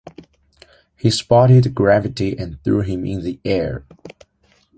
He spotted Gravity and threw him in the air.